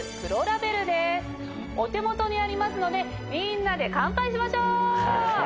お手元にありますのでみんなで乾杯しましょう！